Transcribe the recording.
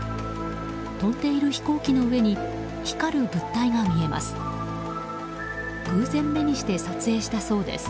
飛んでいる飛行機の上に光る物体が見えます。